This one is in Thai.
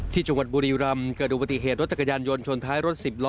ที่จังหวัดบุรีรำเกิดอุบัติเหตุรถจักรยานยนต์ชนท้ายรถสิบล้อ